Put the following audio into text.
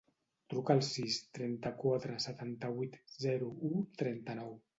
Truca al sis, trenta-quatre, setanta-vuit, zero, u, trenta-nou.